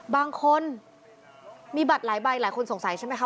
บางคนมีบัตรหลายใบหลายคนสงสัยใช่ไหมคะ